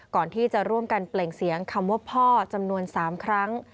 ก่อนที่จะร่วมกันเปล่งเสียงคำว่าพ่อจำนวน๓ครั้ง